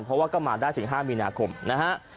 เพราะว่าก็มาได้ถึง๕มีนาคมนะฮะ